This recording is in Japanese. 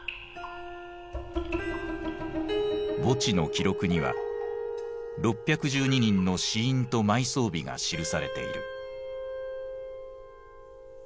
墓地の記録には６１２人の死因と埋葬日が記されている。